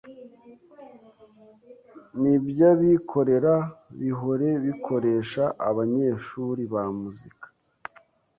n'iby'abikorera bihore bikoresha abanyeshuri ba muzika